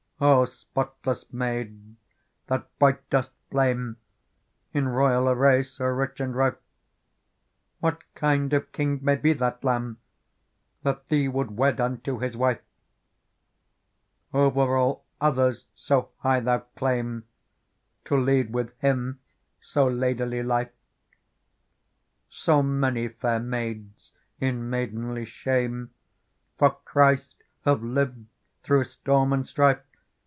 " O spotless maid that bright dost flame In royal array so rich and rife ! What kind of king may be that Lamb That thee would wed unto His wife ? Over all others so high thou clamb. To fe ad w it h Him so ladyly li fe ! So many fair maids in maidenly shame For Christ have lived through storm and strife.